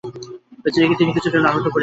বেচারিকে তিনি কিছুটা হলেও আহত করেছেন।